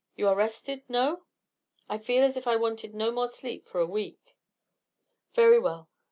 You are rested, no?" "I feel as if I wanted no more sleep for a week." "Very well.